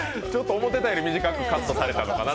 思ってたより短くカットされたのかな。